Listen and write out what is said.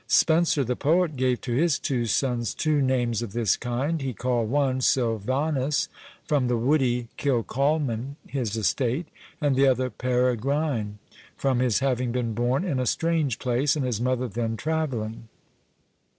Spenser, the poet, gave to his two sons two names of this kind; he called one Silvanus, from the woody Kilcolman, his estate; and the other Peregrine, from his having been born in a strange place, and his mother then travelling.